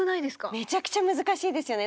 めちゃくちゃ難しいですよね。